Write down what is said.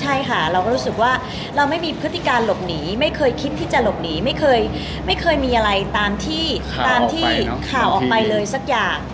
ใช่ค่ะเราก็รู้สึกว่าเราไม่มีพฤติการหลบหนีไม่เคยคิดที่จะหลบหนีไม่เคยมีอะไรตามที่ตามที่ข่าวออกไปเลยสักอย่าง